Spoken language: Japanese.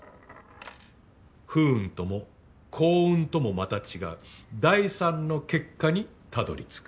不運とも幸運ともまた違う第３の結果にたどり着く。